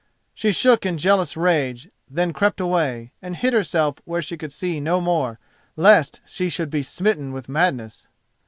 She shook in jealous rage, then crept away, and hid herself where she could see no more, lest she should be smitten with madness.